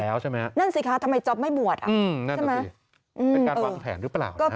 เออใช่นั่นสิคะทำไมจ๊อบไม่บวชอ่ะใช่ไหมเป็นการวางแผนหรือเปล่านะฮะ